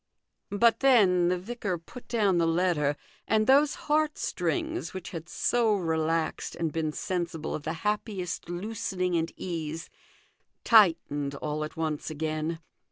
But then the vicar put down the letter, and those heartstrings, which had so relaxed and been sensible of the happiest loosening and ease, tightened all at once again.